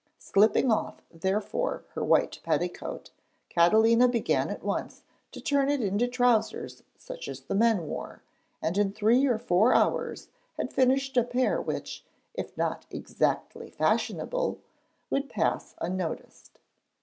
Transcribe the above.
Slipping off therefore her white petticoat, Catalina began at once to turn it into trousers such as men then wore, and in three or four hours had finished a pair which, if not exactly fashionable, would pass unnoticed.